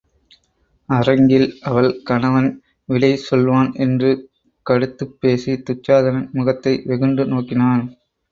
அரங்கில் அவள் கணவன் விடை சொல்வான் என்று கடுத்துப்பேசிச் துச்சாதனன் முகத்தை வெகுண்டு நோக்கினான்.